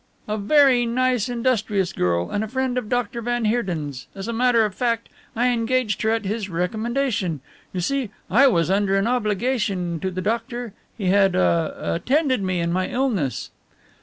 "A very nice, industrious girl, and a friend of Doctor van Heerden's. As a matter of fact, I engaged her at his recommendation. You see, I was under an obligation to the doctor. He had ah attended me in my illness."